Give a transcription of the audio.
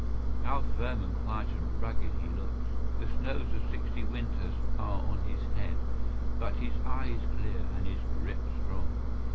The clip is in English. How firm and quiet and rugged he looks. The snows of sixty winters are on his head, but his eye is clear and his grip strong.